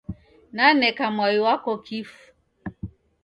Naneka mwai wako kifu.